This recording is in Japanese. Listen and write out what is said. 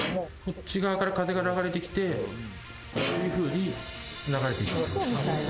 こっち側から風が流れて来てこういうふうに流れて行きます。